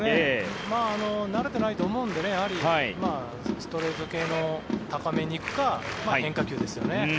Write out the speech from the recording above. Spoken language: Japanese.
慣れてないと思うのでやはりストレート系の高めに行くか変化球ですよね。